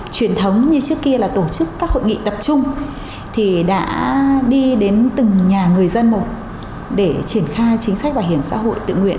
truyền thống như trước kia là tổ chức các hội nghị tập trung thì đã đi đến từng nhà người dân một để triển khai chính sách bảo hiểm xã hội tự nguyện